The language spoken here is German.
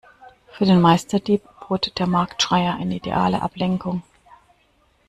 Für den Meisterdieb bot der Marktschreier eine ideale Ablenkung.